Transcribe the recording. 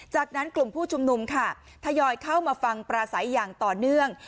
จากนั้นกลุ่มผู้ชุมนุมค่ะทยอยเข้ามาฟังปราศัยอย่างต่อเนื่อง